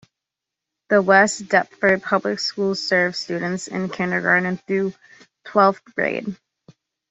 The West Deptford Public Schools serve students in kindergarten through twelfth grade.